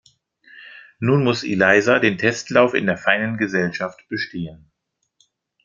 Nun muss Eliza den Testlauf in der feinen Gesellschaft bestehen.